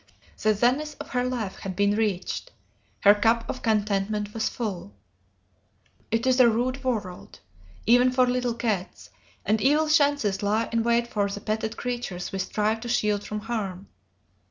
The zenith of her life had been reached. Her cup of contentment was full. "It is a rude world, even for little cats, and evil chances lie in wait for the petted creatures we strive to shield from harm.